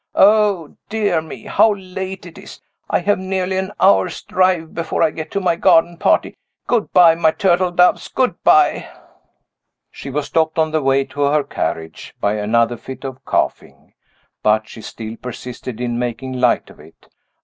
Oh, dear me, how late it is. I have nearly an hour's drive before I get to my garden party. Good by, my turtle doves good by." She was stopped, on the way to her carriage, by another fit of coughing. But she still persisted in making light of it.